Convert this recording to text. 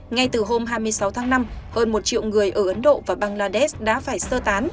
ngay từ hôm hai mươi sáu tháng năm hơn một triệu người ở ấn độ và bangladesh đã phải sơ tán